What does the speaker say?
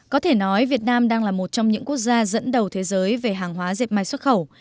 có thể nói việt nam đang là một trong những quốc gia dẫn đầu thế giới về hàng hóa dẹp may xuất khẩu